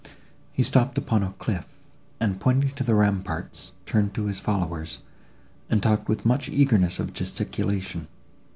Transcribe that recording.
He stopped upon a cliff, and, pointing to the ramparts, turned to his followers, and talked with much eagerness of gesticulation.